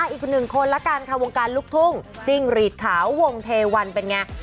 อีกหนึ่งคนละกันค่ะวงการลูกทุ่งจิ้งหรีดขาววงเทวันเป็นไง